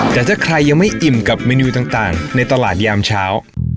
แต่ถ้าใครยังไม่อิ่มกับเมนูต่างในตลาดยามเช้า